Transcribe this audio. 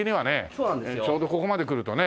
ちょうどここまで来るとね。